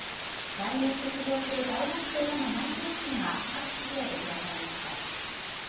来年卒業する大学生らの内定式が各企業で開かれました。